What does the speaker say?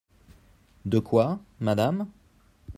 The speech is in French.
De quoi ? madame.